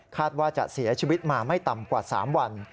ว่าจะเสียชีวิตมาไม่ต่ำกว่า๓วัน